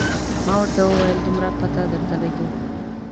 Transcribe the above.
ما ورته وویل دومره پته درته لګي.